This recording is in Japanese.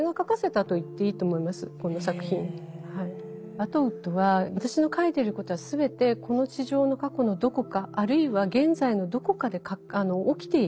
アトウッドは私の書いてることは全てこの地上の過去のどこかあるいは現在のどこかで起きている。